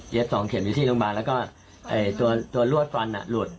สองเข็มอยู่ที่โรงพยาบาลแล้วก็ตัวลวดฟันหลุด